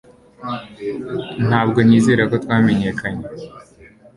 Ntabwo nizera ko twamenyekanye